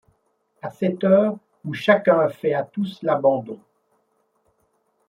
A cette heure où chacun fait à tous l'abandon